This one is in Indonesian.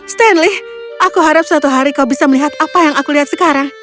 stanley aku harap suatu hari kau bisa melihat apa yang aku lihat sekarang